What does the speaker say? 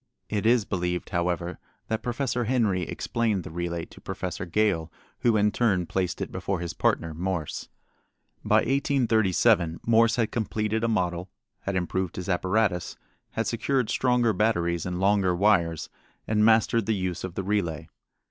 It is believed, however, that Professor Henry explained the relay to Professor Gale, who in turn placed it before his partner, Morse. By 1837 Morse had completed a model, had improved his apparatus, had secured stronger batteries and longer wires, and mastered the use of the relay.